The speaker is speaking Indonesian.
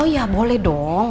oh iya boleh dong